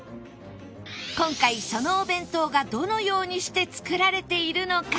今回そのお弁当がどのようにして作られているのか